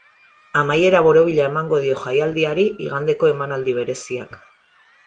Amaiera borobila emango dio jaialdiari igandeko emanaldi bereziak.